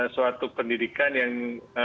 suatu pendidikan yang